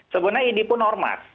sebenarnya idi pun ormas